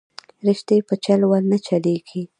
رشتې په چل ول نه چلېږي